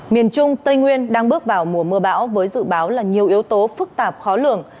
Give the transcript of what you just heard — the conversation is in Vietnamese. miền trung tây nguyên đang bước vào mùa mưa bão với dự báo là nhiều yếu tố phức tạp khó lường